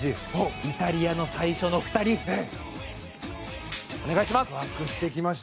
イタリアの最初の２人お願いします！